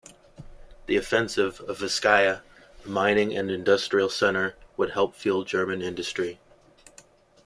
The offensive on Vizcaya, a mining and industrial centre, would help fuel German industry.